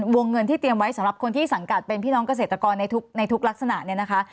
วงเงินที่เตรียมไว้สำหรับคนที่สังกัดเป็นพี่น้องเกษตรกรในทุกลักษณะเนี่ยนะคะ